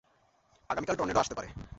আগামীকাল টর্নেডো আসতে পারে।